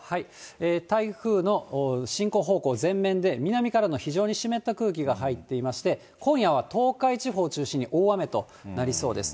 台風の進行方向前面で南からの非常に湿った空気が入っていまして、今夜は東海地方中心に大雨となりそうです。